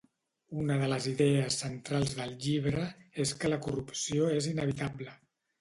Una de les idees centrals del llibre és que la corrupció és inevitable.